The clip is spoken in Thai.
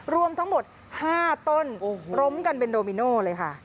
รวมทั้งหมด๕ต้นล้มกันเป็นโดมิโน่เลยค่ะ